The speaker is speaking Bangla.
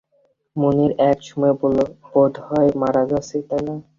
মুনির এক সময় বলল, বোধহয় মারা যাচ্ছি, তাই না?